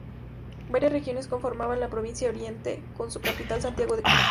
Varias regiones conformaban la provincia Oriente con su capital Santiago de Cuba.